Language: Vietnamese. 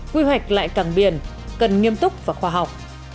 quy hoạch lại cảng biển cần nghiêm túc và khoa học